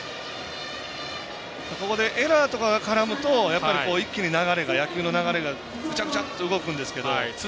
ここでエラーとかが絡むと一気に野球の流れがぐちゃぐちゃと動くんですけど。